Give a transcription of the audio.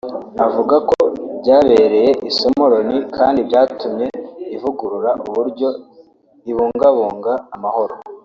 avuga ko byabereye isomo Loni kandi byatumye ivugurura uburyo ibungabunga amahoro